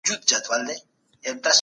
دغه حکم د جنايت په صورت کي دی.